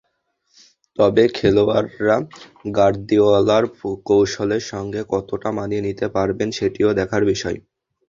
তবে খেলোয়াড়েরা গার্দিওলার কৌশলের সঙ্গে কতটা মানিয়ে নিতে পারবেন, সেটিও দেখার বিষয়।